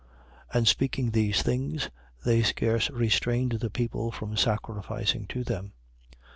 14:17. And speaking these things, they scarce restrained the people from sacrificing to them.